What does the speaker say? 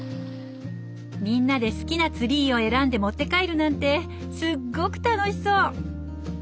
みんなで好きなツリーを選んで持って帰るなんてすっごく楽しそう！